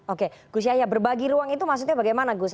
oke gus yahya berbagi ruang itu maksudnya bagaimana gus